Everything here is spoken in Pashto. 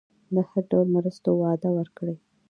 د هر ډول مرستو وعده ورکړي.